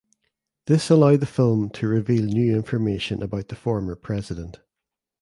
This allowed the film to reveal new information about the former president.